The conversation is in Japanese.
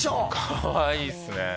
かわいいっすね